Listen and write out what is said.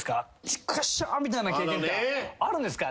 チクショーみたいな経験ってあるんですか？